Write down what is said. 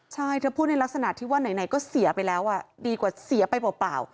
ใช่เธอพูดในลักษณะที่ว่าไหนก็เสียไปแล้วดีกว่าเสียไปเปล่า